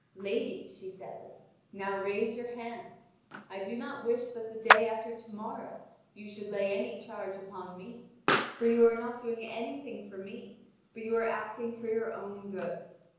"Lady," she says, "now raise your hand! I do not wish that the day after to morrow you should lay any charge upon me; for you are not doing anything for me, but you are acting for your own good.